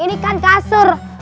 ini kan kasur